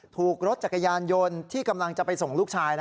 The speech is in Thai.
ถูกรถจักรยานยนต์ที่กำลังจะไปส่งลูกชาย